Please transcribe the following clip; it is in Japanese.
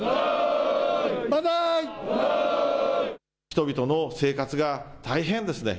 人々の生活が大変ですね